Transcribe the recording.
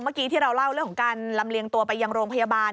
เมื่อกี้ที่เราเล่าเรื่องของการลำเลียงตัวไปยังโรงพยาบาล